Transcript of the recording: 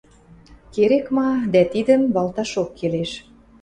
Керек-ма дӓ тидӹм валташок келеш.